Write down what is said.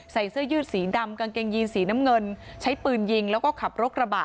เสื้อยืดสีดำกางเกงยีนสีน้ำเงินใช้ปืนยิงแล้วก็ขับรถกระบะ